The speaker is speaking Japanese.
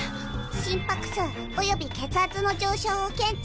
心拍数および血圧の上昇を検知。